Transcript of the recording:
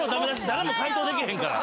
誰も回答できへんから。